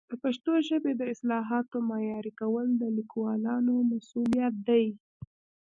د پښتو ژبې د اصطلاحاتو معیاري کول د لیکوالانو مسؤلیت دی.